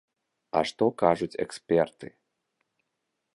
А што кажуць эксперты?